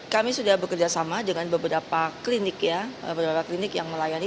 kami sudah bekerjasama dengan beberapa klinik ya beberapa klinik yang melayani